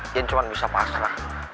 iyan cuma bisa pasrah